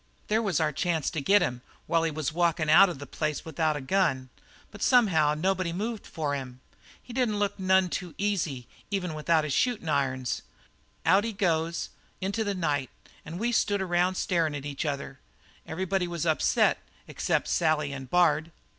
"There was our chance to get him, while he was walking out of that place without a gun, but somehow nobody moved for him. He didn't look none too easy, even without his shootin' irons. Out he goes into the night, and we stood around starin' at each other. Everybody was upset, except Sally and Bard.